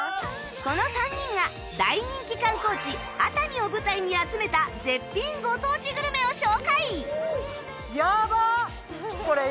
この３人が大人気観光地熱海を舞台に集めた絶品ご当地グルメを紹介やばっ！